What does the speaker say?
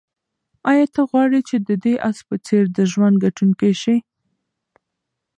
آیا ته غواړې چې د دې آس په څېر د ژوند ګټونکی شې؟